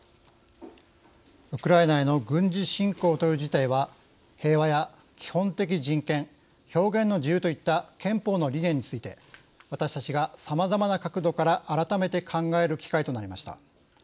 ウクライナへの軍事侵攻という事態は平和や基本的人権表現の自由といった憲法の理念について私たちが、さまざまな角度から改めて考える機会となりました。